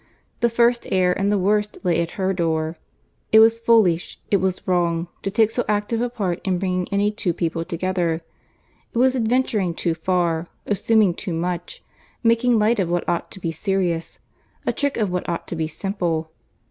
The first error and the worst lay at her door. It was foolish, it was wrong, to take so active a part in bringing any two people together. It was adventuring too far, assuming too much, making light of what ought to be serious, a trick of what ought to be simple.